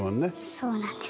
そうなんです。